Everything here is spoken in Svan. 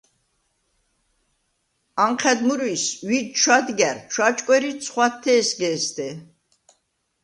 ანჴა̈დ მურვის, ვიჯ ჩვადგა̈რ, ჩვაჭკვერ ი ცხვადთე̄სგ’ე̄სდე.